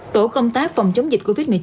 tổ công tác phòng chống dịch covid một mươi chín